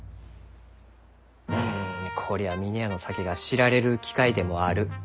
うんこりゃあ峰屋の酒が知られる機会でもある。